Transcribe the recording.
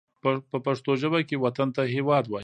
په پښتو ژبه کې وطن ته هېواد وايي